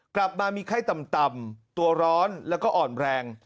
กลับมามีไข้ต่ำตัวร้อนแล้วก็อ่อนแรง